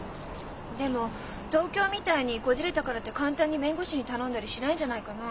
でも東京みたいにこじれたからって簡単に弁護士に頼んだりしないんじゃないかな。